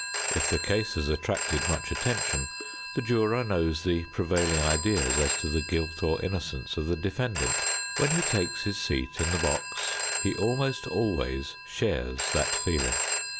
If the case has attracted much attention, the juror knows the prevailing ideas as to the guilt or innocence of the defendant. When he takes his seat in the box he almost always shares that feeling.